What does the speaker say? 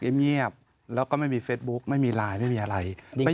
เงียบแล้วก็ไม่มีเฟสบุ๊กไม่มีไลน์ไม่มีอะไร